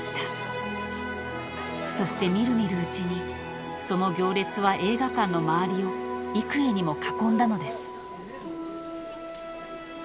［そして見る見るうちにその行列は映画館の周りを幾重にも囲んだのです］